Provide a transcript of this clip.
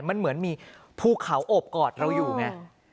มันเหมือนมีภูเขาโอบกอดเราอยู่ไง